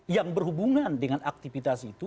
yang berhubungan dengan aktivitas itu